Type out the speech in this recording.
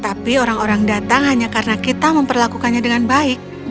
tapi orang orang datang hanya karena kita memperlakukannya dengan baik